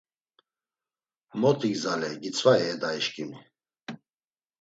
“Mot igzaley gitzvai e dayişǩimi?”